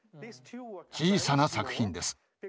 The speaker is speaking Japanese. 小さな作品です。